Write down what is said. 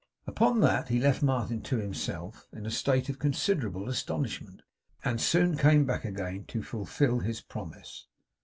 Upon that, he left Martin to himself, in a state of considerable astonishment; and soon came back again to fulfil his promise.